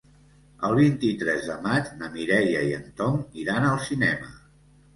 El vint-i-tres de maig na Mireia i en Tom iran al cinema.